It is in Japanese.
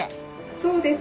そうです。